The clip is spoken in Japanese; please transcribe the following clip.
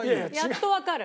やっとわかる。